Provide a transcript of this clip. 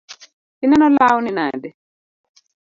Ineno lawni nade?